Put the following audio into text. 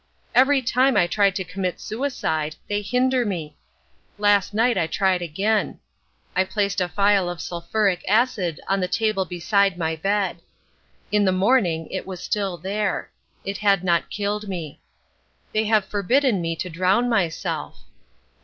Every time I try to commit suicide they hinder me. Last night I tried again. I placed a phial of sulphuric acid on the table beside my bed. In the morning it was still there. It had not killed me. They have forbidden me to drown myself.